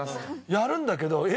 やるんだけど。